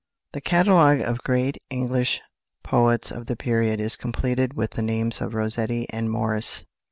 The catalogue of great English poets of the period is completed with the names of Rossetti and Morris.